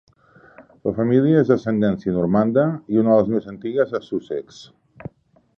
La família és d'ascendència normanda i una de les més antigues a Sussex.